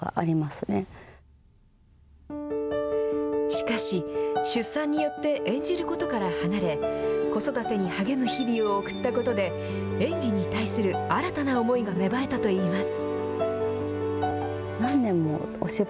しかし、出産によって演じることから離れ、子育てに励む日々を送ったことで、演技に対する新たな思いが芽生えたといいます。